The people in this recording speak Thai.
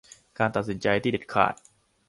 การตัดสินใจที่เด็ดขาด